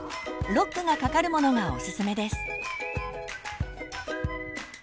ロックがかかるものがおすすめです。